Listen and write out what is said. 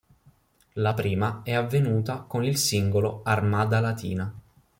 La prima è avvenuta con il singolo "Armada Latina".